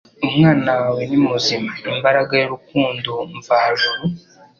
“Umwana wawe ni muzima,” imbaraga y’urukundo mvajuru